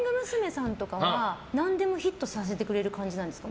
さんとかは何でもヒットさせてくれる感じなんですか？